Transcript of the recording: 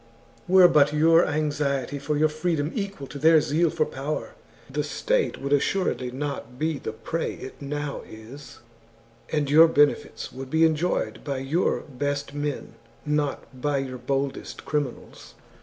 Were but your anxiety for your freedom equal to their zeal for power, the state would assuredly not be the prey it now is, and your benefits would be enjoyed by your best men, not by your boldest criminals.